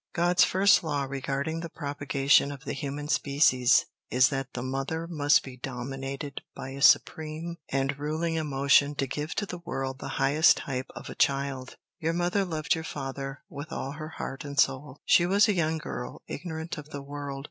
God's first law, regarding the propagation of the human species, is that the mother must be dominated by a supreme and ruling emotion to give to the world the highest type of a child. Your mother loved your father with all her heart and soul. She was a young girl, ignorant of the world.